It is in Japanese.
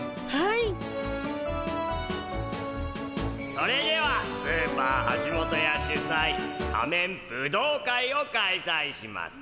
それではスーパーはしもとや主催仮面ブドウ会を開催します。